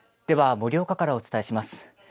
では、盛岡からお伝えします。